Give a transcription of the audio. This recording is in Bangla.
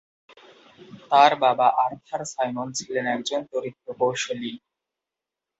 তার বাবা আর্থার সাইমন ছিলেন একজন তড়িৎ প্রকৌশলী।